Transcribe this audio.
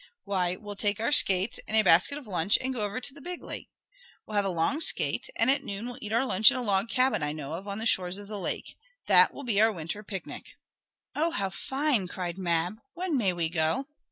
"Why we'll take our skates, and a basket of lunch, and go over to the big lake. We'll have a long skate, and at noon we'll eat our lunch in a log cabin I know of on the shores of the lake. That will be our winter pic nic." "Oh, how fine!" cried Mab. "When may we go?"